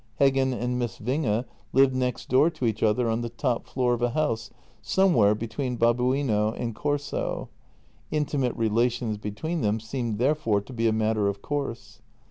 Heggen and Miss Winge lived next door to each other on the top floor of a house somewhere between Babuino and Corso; intimate rela tions between them seemed therefore to be a matter of course.